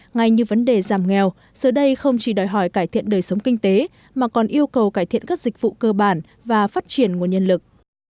ngay như vấn đề giảm nghèo giờ đây không chỉ đòi hỏi cải thiện đời sống kinh tế mà còn yêu cầu cải thiện các dịch vụ cơ bản và phát triển nguồn nhân lực